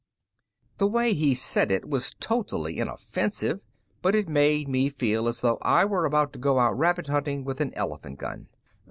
The way he said it was totally inoffensive, but it made me feel as though I were about to go out rabbit hunting with an elephant gun.